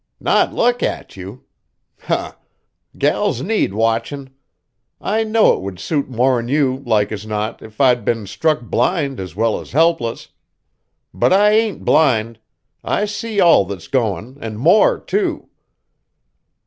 "Not look at you? Huh! Gals need watchin'. I know it would suit more'n you, like as not, if I'd been struck blind as well as helpless. But I ain't blind. I see all that's goin', an' more, too!"